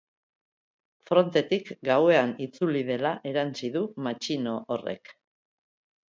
Frontetik gauean itzuli dela erantsi du matxino horrek.